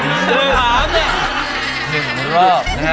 หนึ่งรอบ